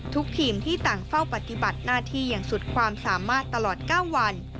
ทีมที่ต่างเฝ้าปฏิบัติหน้าที่อย่างสุดความสามารถตลอด๙วัน